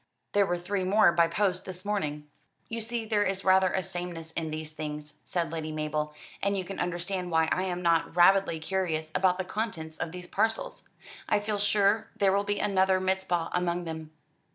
There were three more by post this morning." "You see there is rather a sameness in these things," said Lady Mabel; "and you can understand why I am not rabidly curious about the contents of these parcels. I feel sure there will be another 'Mizpah' among them."